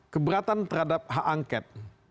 keberatan terhadap hak angket